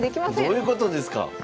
どういうことですか！